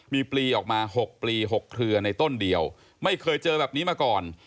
มีปลีออกมา๖ปลี๖เครือในต้นเดียวไม่เคยเจอแบบนี้มาก่อน